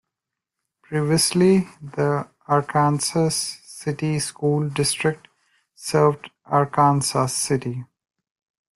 Previously the Arkansas City School District served Arkansas City.